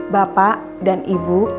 bapak dan ibu